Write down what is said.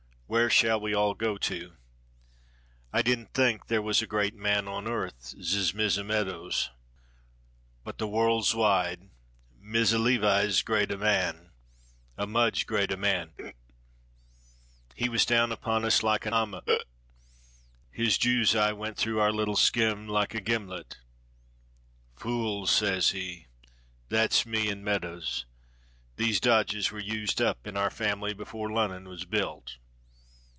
Where shall we all go to? I dinn't think there was great a man on earth z Mizza Meadows. But the worlz wide. Mizza Levi z greada man a mudge greada man (hic). He was down upon us like a amma (hic). His Jew's eye went through our lill sgeme like a gimlet. 'Fools!' says he that's me and Meadows, 'these dodges were used up in our family before Lunnun was built.